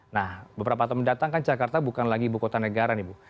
nah beberapa tahun mendatang kan jakarta bukan lagi ibu kota negara nih bu